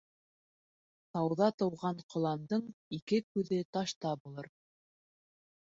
Тауҙа тыуған ҡоландың ике күҙе ташта булыр